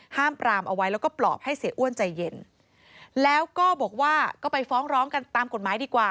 ปรามเอาไว้แล้วก็ปลอบให้เสียอ้วนใจเย็นแล้วก็บอกว่าก็ไปฟ้องร้องกันตามกฎหมายดีกว่า